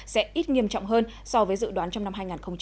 sẽ ít nghiêm trọng hơn so với dự đoán trong năm hai nghìn hai mươi